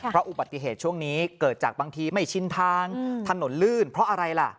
เพราะอุบัติเหตุช่วงนี้เกิดจากบางทีไม่ชินทางถนนลื่นเพราะอะไรล่ะ